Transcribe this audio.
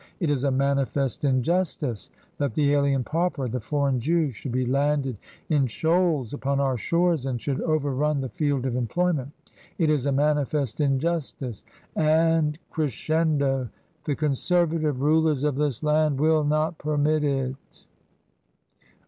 It is a manifest injustice that the alien pauper — the foreign Jew — should be landed in shoals upon our shores, and should overrun the field of employment. It IS a manifest injustice ; and {crescendo] the Conservative Rulers of this Land will not permit it